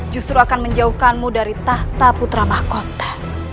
justru akan menjauhkanmu dari tahta putra mahkota